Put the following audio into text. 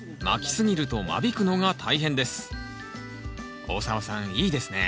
まきすぎると間引くのが大変です。